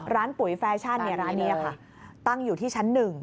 ปุ๋ยแฟชั่นร้านนี้ค่ะตั้งอยู่ที่ชั้น๑